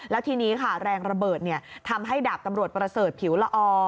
แล้วทีนี้ค่ะแรงระเบิดทำให้ดาบตำรวจประเสริฐผิวละอ